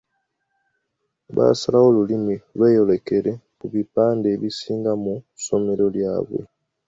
Baasalawo Olulimi lweyolekere ku bipande ebisinga mu ssomero lyabwe.